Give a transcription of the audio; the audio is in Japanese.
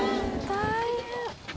「大変！」